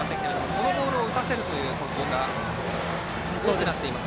このボールを打たせる投球が多くなっています。